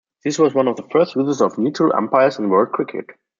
This was one of the first uses of neutral umpires in world cricket.